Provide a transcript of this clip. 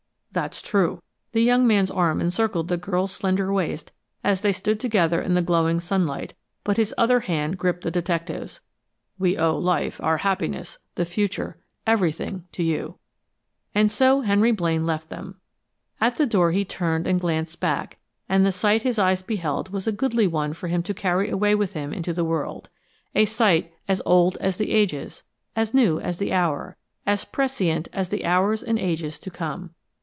"That's true!" The young man's arm encircled the girl's slender waist as they stood together in the glowing sunlight, but his other hand gripped the detective's. "We owe life, our happiness, the future, everything to you!" And so Henry Blaine left them. At the door he turned and glanced back, and the sight his eyes beheld was a goodly one for him to carry away with him into the world a sight as old as the ages, as new as the hour, as prescient as the hours and ages to come.